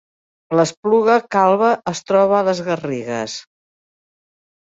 L’Espluga Calba es troba a les Garrigues